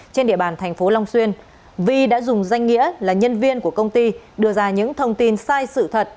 trên địa bàn thành phố long xuyên vi đã dùng danh nghĩa là nhân viên của công ty đưa ra những thông tin sai sự thật